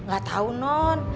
gak tau non